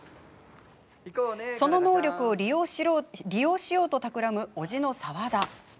その能力を利用しようとたくらむ、叔父の沢田。